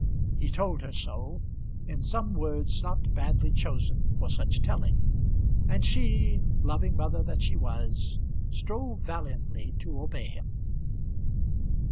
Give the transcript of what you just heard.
He told her so, in some words not badly chosen for such telling; and she, loving mother that she was, strove valiantly to obey him.